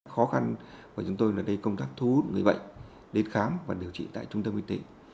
khó khăn của chúng tôi là công tác thu hút người bệnh đến khám và điều trị tại trung tâm y tế